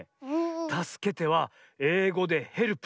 「たすけて」はえいごで「ヘルプ」。